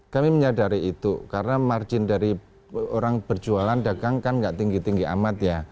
kami menyadari itu karena margin dari orang berjualan dagang kan nggak tinggi tinggi amat ya